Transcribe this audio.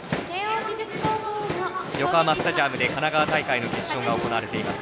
横浜スタジアムで神奈川大会の決勝が行われています。